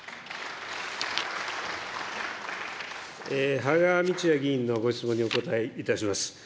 芳賀道也議員のご質問にお答えいたします。